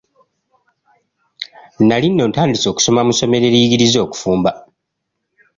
Nnali nno ntandise okusoma mu ssomero eriyigiriza okufumba.